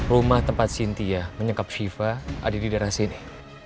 rumah tempat sintia menyekap shiva ada di daerah sini